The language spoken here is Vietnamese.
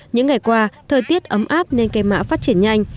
những ngày qua thời tiết ấm áp nên cây mạ phát triển nhanh